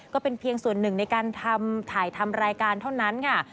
ก็เป็นเพียงส่วนหนึ่งในการทำถ่ายทำรายการเท่านั้นค่ะ